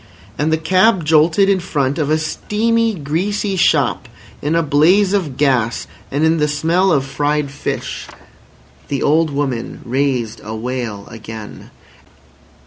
And the cab jolted in front of a steamy, greasy shop in a blaze of gas and in the smell of fried fish. The old woman raised a wail again.